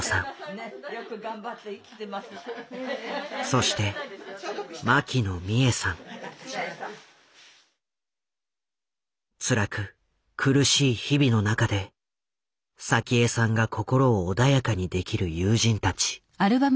そしてつらく苦しい日々の中で早紀江さんが心を穏やかにできる友人たち。